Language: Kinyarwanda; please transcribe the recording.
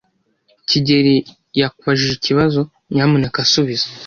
kigeli yakubajije ikibazo. Nyamuneka subiza.